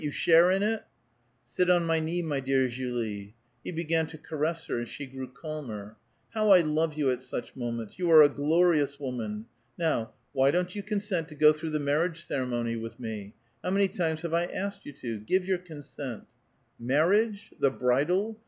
You share in it? ''Sit on my knee, my dear Julie." He began to caress her, and she grew calmer. ^'IIow I love you at such moments ! You are a glorious woman. Now, why don't you consent to go through the marriage ceremony with me ? How many timers have I asked you to? Give your consent." j "Marriage? the bridle?